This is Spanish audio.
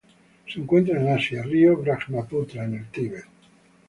Se encuentran en Asia: río Brahmaputra en el Tíbet.